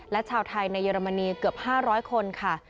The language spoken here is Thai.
และชาวไทยในเยอรมนีเกือบ๕๐๐คนค่ะ